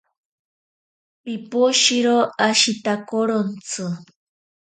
Piposhero ashitakorontsi.